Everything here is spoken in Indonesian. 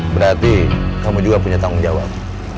berarti kamu juga punya tanggung jawab